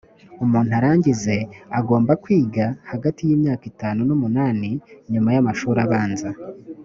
umuntu arangize agomba kwiga hagati y imyaka itanu n umunani nyuma y amashuri abanza